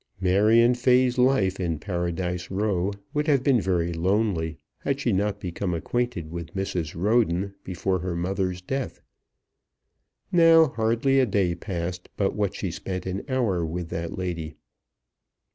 Marion Fay's life in Paradise Row would have been very lonely had she not become acquainted with Mrs. Roden before her mother's death. Now hardly a day passed but what she spent an hour with that lady.